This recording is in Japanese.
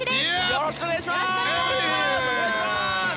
よろしくお願いします。